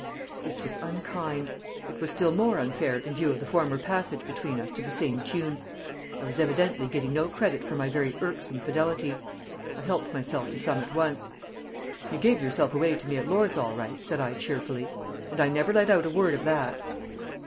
This was unkind. It was still more unfair in view of the former passage between us to the same tune. I was evidently getting no credit for my very irksome fidelity. I helped myself to some at once. "You gave yourself away to me at Lord's all right," said I, cheerfully. "And I never let out a word of that."